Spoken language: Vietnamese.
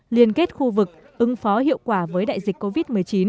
liên kết khu vực ứng phó hiệu quả với đại dịch covid một mươi chín